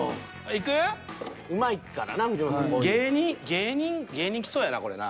芸人芸人来そうやなこれな。